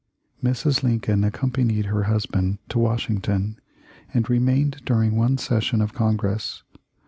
Mrs. Lincoln accompanied her husband to Wash ington and remained during one session of Congress.